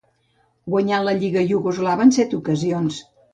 Guanyà la Lliga iugoslava en set ocasions.